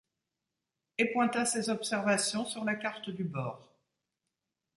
et pointa ses observations sur la carte du bord.